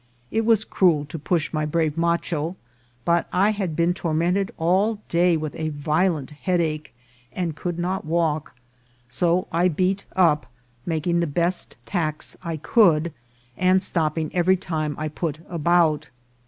It was cruel to push my brave macho, but I had been tormented all day with a violent headache, and could not walk ; so I beat up, making the best tacks I could, and stopping every time I put about.